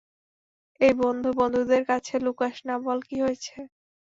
এই বন্ধু বন্ধুদের কাছে লুকাস না, বল কি হয়েছে?